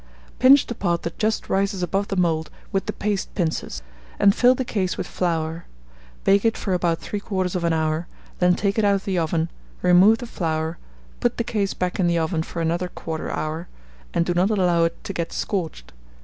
Pinch the part that just rises above the mould with the paste pincers, and fill the case with flour; bake it for about 3/4 hour; then take it out of the oven, remove the flour, put the case back in the oven for another 1/4 hour, and do not allow it to get scorched.